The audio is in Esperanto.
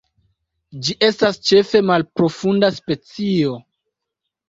Ĝi estas ĉefe malprofunda specio.